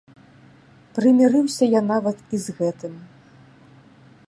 Прымірыўся я нават і з гэтым.